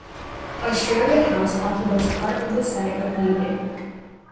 Australia House occupies part of the site of New Inn.